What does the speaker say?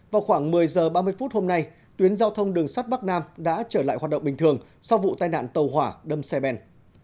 vào khoảng một mươi h ba mươi phút hôm nay tuyến giao thông đường sắt bắc nam đã trở lại hoạt động bình thường sau vụ tai nạn tàu hỏa đâm xe ben